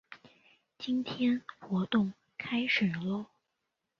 今天活动开始啰！